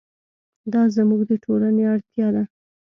دا زموږ د ټولنې اړتیا ده.